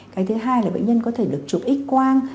cái thứ hai là bệnh nhân có thể được chụp x quang